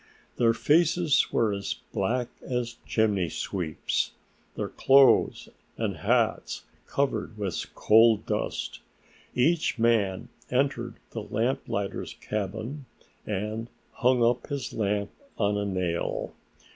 Their faces were as black as chimney sweeps; their clothes and hats covered with coal dust. Each man entered the lamplighter's cabin and hung up his lamp on a nail.